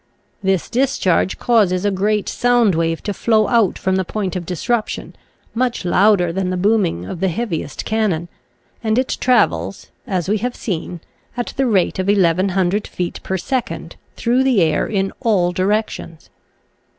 This discharge causes a great sound wave to flow out from the point of disruption, much louder than the booming of the heaviest cannon, and it travels, as we have seen, at the rate of 1,100 feet per second through the air in all direc tions.